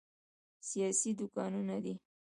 سیاسي دوکانونه دي.